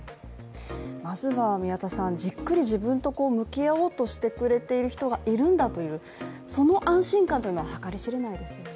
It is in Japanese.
まずはじっくり自分と向き合おうとしてくれている人がいるんだというその安心感というのは計り知れないですよね。